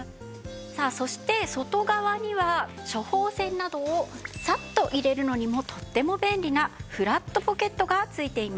さあそして外側には処方箋などをサッと入れるのにもとっても便利なフラットポケットが付いています。